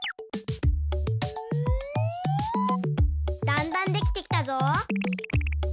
だんだんできてきたぞ。